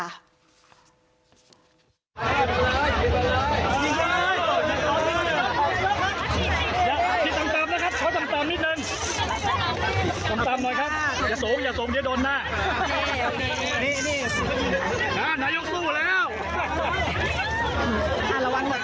อ่าระวังหน่อย